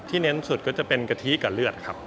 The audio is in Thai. เน้นสุดก็จะเป็นกะทิกับเลือดครับ